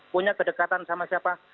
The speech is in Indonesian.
punya kedekatan sama siapa